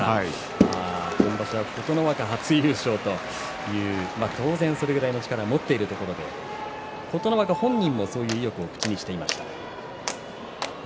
今場所は琴ノ若が初優勝というそれぐらいの力は当然持っているということで琴ノ若本人もそういう意欲を口にしていました。